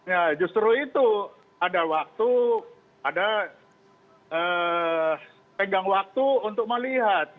ya justru itu ada waktu ada pegang waktu untuk melihat